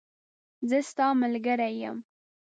زه ستاملګری یم